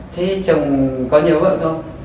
thế chồng có nhớ vợ không